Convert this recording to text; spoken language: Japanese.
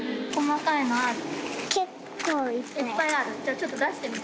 ちょっと出してみる？